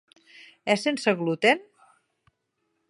És sense gluten?